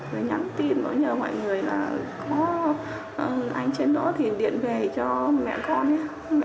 rồi nhắn tin nhờ mọi người là có anh trên đó thì điện về cho mẹ con nhé mẹ con nóng rồi